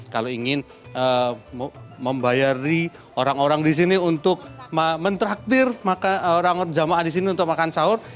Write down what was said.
kalau ingin membayari orang orang di sini untuk mentraktir orang jamaah di sini untuk makan sahur